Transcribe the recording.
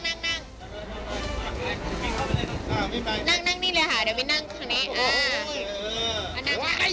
นั่งนั่งนี่เลยค่ะเดี๋ยวไปนั่งข้างนี้